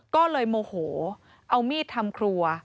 ก็เลยโมโหเอามีดทำครัว